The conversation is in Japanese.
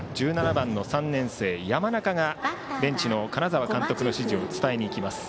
１７番の３年生、山中がベンチの金沢監督の指示を伝えにいきます。